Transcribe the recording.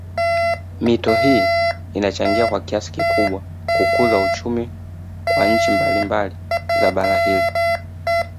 Mito hii inachangia kwa kiasi kikubwa kukuza uchumi kwa nchi mbalimbali za bara hili